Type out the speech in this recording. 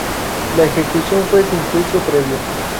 La ejecución fue sin juicio previo.